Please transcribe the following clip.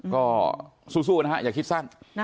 ก็สู้นะฮะอย่าคิดสั้น